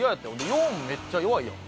４めっちゃ弱いやん。